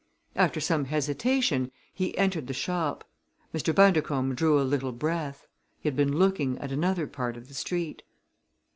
After some hesitation he entered the shop. Mr. Bundercombe drew a little breath. He had been looking at another part of the street.